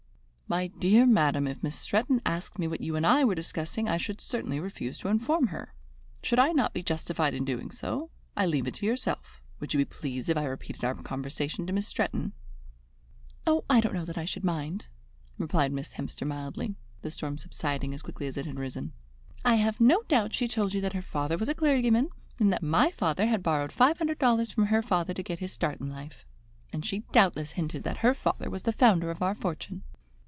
"My dear madam, if Miss Stretton asked me what you and I were discussing, I should certainly refuse to inform her. Should I not be justified in doing so? I leave it to yourself. Would you be pleased if I repeated our conversation to Miss Stretton?" "Oh, I don't know that I should mind," replied Miss Hemster mildly, the storm subsiding as quickly as it had risen; "I have no doubt she told you that her father was a clergyman, and that my father had borrowed five hundred dollars from her father to get his start in life. And she doubtless hinted that her father was the founder of our fortune."